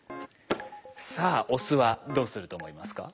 さあオスはどうすると思いますか？